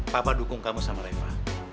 papa dukung kamu sama leva